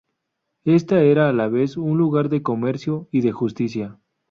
Esta era a la vez un lugar de comercio y de justicia.